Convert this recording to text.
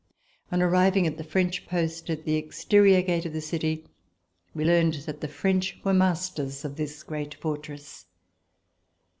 On arriving at the French post, at the exterior gate of the city, we learned that the French were masters of this great fortress.